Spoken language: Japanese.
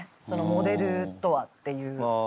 「モデルとは」っていう。